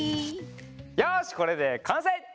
よしこれでかんせい！